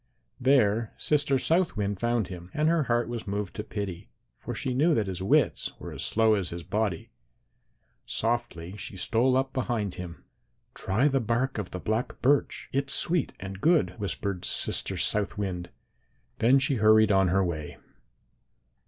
There Sister South Wind found him, and her heart was moved to pity, for she knew that his wits were as slow as his body. Softly she stole up behind him. "'Try the bark of the black birch; it's sweet and good,' whispered Sister South Wind. Then she hurried on her way.